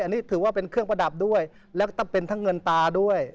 อันนี้ถือว่าเป็นเครื่องประดับด้วยแล้วก็ต้องเป็นทั้งเงินตาด้วย